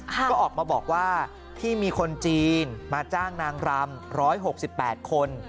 ก็ออกมาบอกว่าที่มีคนจีนมาจ้างนางรำ๑๖๘คน